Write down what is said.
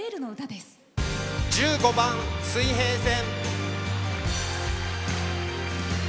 １５番「水平線」。